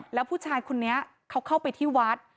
แล้วผู้ชายคนนี้เขาเข้าไปที่วัด